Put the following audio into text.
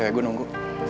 cewek gue nunggu